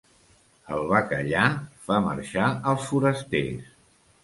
El bacallà fa marxar els forasters.